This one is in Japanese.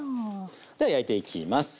では焼いていきます。